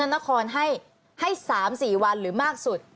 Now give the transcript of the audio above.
นครให้๓๔วันหรือมากสุด